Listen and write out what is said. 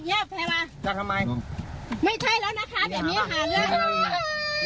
อยู่หาแล้ว